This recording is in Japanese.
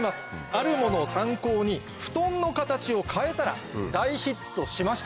あるものを参考にふとんの形を変えたら大ヒットしました。